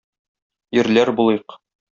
Ирләр булыйк!